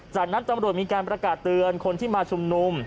จากนั้นตำรวจมีการประกาศเตือนคนที่มาชุมนุม